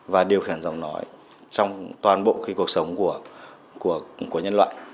và điều khiển giọng nói trong toàn bộ cuộc sống của nhân loại